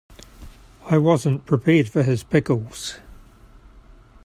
I wasn't prepared for his pickles.